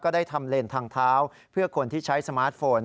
ได้ทำเลนทางเท้าเพื่อคนที่ใช้สมาร์ทโฟน